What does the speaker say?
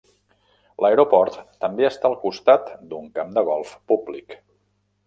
L'aeroport també està al costat d'un camp de golf públic.